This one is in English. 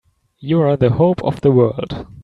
You're the hope of the world!